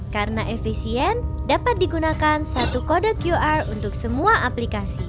karena efisien dapat digunakan satu kode qr untuk semua aplikasi